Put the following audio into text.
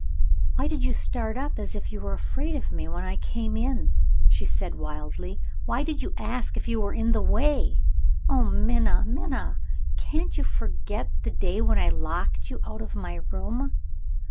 "Why did you start up, as if you were afraid of me, when I came in?" she said wildly. "Why did you ask if you were in the way? Oh, Minna! Minna! can't you forget the day when I locked you out of my room?